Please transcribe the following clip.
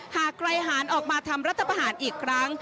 หากใครหารออกมาทำรัฐประหารอีกครั้ง